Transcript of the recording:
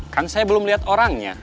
kan saya belum lihat orangnya